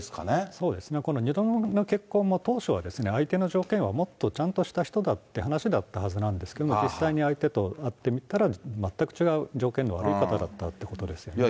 そうですね、この２度目の結婚も、当初は相手の条件はもっとちゃんとした人だっていう話だったはずなんですけど、実際に相手と会ってみたら全く違う条件の悪い方だったということですよね。